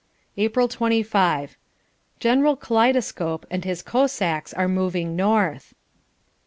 April 25. General Kaleidescope and his Cossacks are moving north.